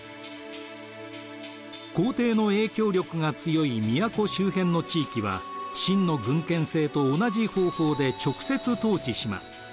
皇帝の影響力が強い都周辺の地域は秦の郡県制と同じ方法で直接統治します。